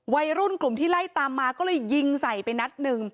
วัยรุ่นกลุ่มที่ไล่ตามมาก็เลยยิงใส่ไปนัดหนึ่ง